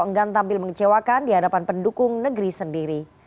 enggan tampil mengecewakan di hadapan pendukung negeri sendiri